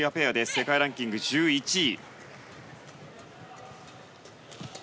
世界ランキング１１位。